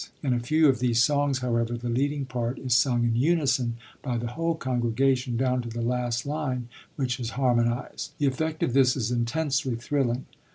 In a few of these songs, however, the leading part is sung in unison by the whole congregation, down to the last line, which is harmonized. The effect of this is intensely thrilling.